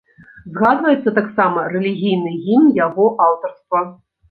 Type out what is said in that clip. Згадваецца таксама рэлігійны гімн яго аўтарства.